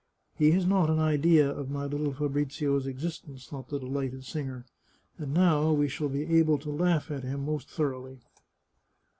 " He has not an idea of my little Fabrizio's existence," thought the delighted singer. " And now we shall be able to laugh at him most thoroughly."